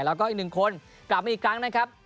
แล้วก็อีกหนึ่งคนกลับมาอีกครั้งนะครับ